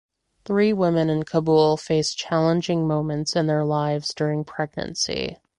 Three women in Kabul face challenging moments in their lives during pregnancy.